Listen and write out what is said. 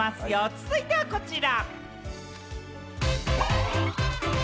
続いては、こちら。